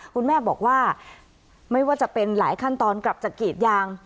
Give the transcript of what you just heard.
คุณแม่บอกว่าไม่ว่าจะเป็นหลายขั้นตอนกลับจากกรีดยาง